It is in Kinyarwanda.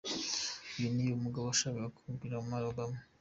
Uyu niwe mugabo washakaga guhwikira Malia Obama